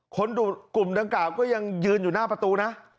กลุ่มดังกล่าวก็ยังยืนอยู่หน้าประตูนะ